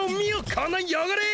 このよごれ！